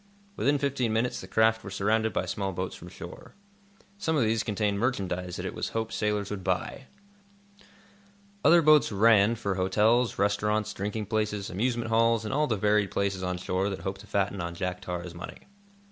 Within fifteen minutes the craft were surrounded by small boats from shore. Some of these contained merchandise that it was hoped sailors would buy. Other boats "ran" for hotels, restaurants, drinking places, amusement halls, and all the varied places on shore that hope to fatten on Jack Tar's money.